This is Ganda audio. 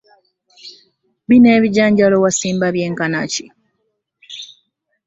Bino ebijanjalo wasimba byenkana ki?